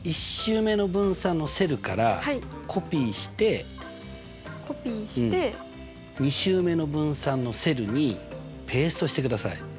１週目の分散のセルからコピーして２週目の分散のセルにペーストしてください。